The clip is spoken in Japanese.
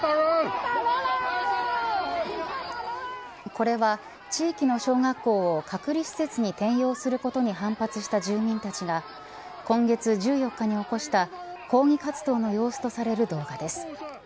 これは地域の小学校を隔離施設に転用することに反発した住民たちが今月１４日に起こした抗議活動の様子とされる動画です。